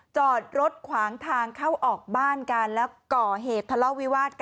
จอดรถขวางทางเข้าออกบ้านกำลังก่อเหตุตลอดวิวาส